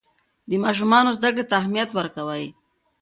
د ماشومانو زده کړې ته اهمیت ورکوي.